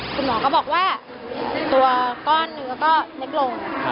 คุณหมอก็บอกว่าตัวก้อนเนื้อก็เล็กลง